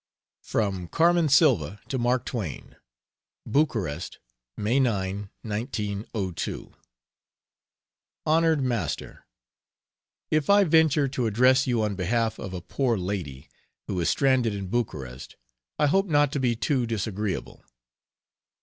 From Carmen Sylva to Mark Twain: BUCAREST, May 9, 1902. HONORED MASTER, If I venture to address you on behalf of a poor lady, who is stranded in Bucarest I hope not to be too disagreeable.